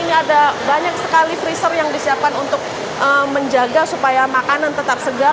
ini ada banyak sekali freezer yang disiapkan untuk menjaga supaya makanan tetap segar